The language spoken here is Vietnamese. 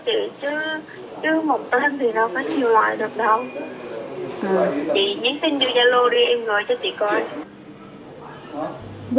chị nhé xin như giao lô đi em gửi cho chị coi